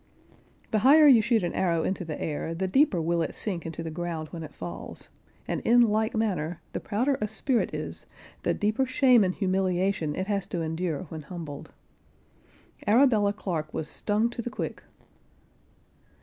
The higher you shoot an arrow into the air, the deeper will it sink into the ground when it falls, and in like manner the prouder a spirit is, the deeper shame and humiliation it has to en[Pg 50]dure when humbled. Arabella Clarke was stung to the quick.